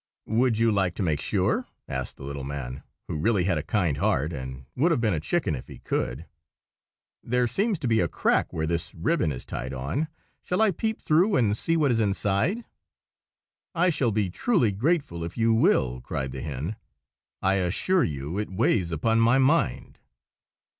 "Would you like to make sure?" asked the little man, who really had a kind heart, and would have been a chicken if he could. "There seems to be a crack where this ribbon is tied on. Shall I peep through and see what is inside?" "I shall be truly grateful if you will!" cried the hen. "I assure you it weighs upon my mind."